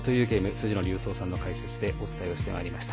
辻野隆三さんの解説でお伝えをしてまいりました。